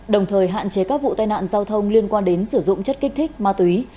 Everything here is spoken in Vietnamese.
đồng thời hạn chế các vụ tai nạn giao thông liên quan đến sử dụng chất kích thích ma túy